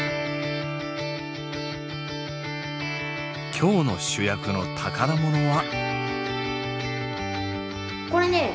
今日の主役の宝物は。